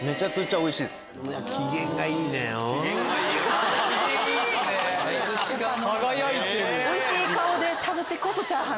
おいしい顔で食べてこそチャーハン！